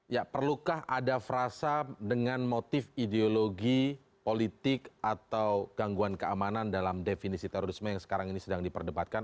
ya perlukah ada frasa dengan motif ideologi politik atau gangguan keamanan dalam definisi terorisme yang sekarang ini sedang diperdebatkan